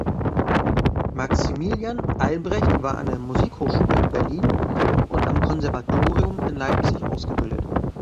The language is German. Maximilian Albrecht war an der Musikhochschule in Berlin und am Konservatorium in Leipzig ausgebildet.